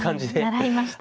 習いました。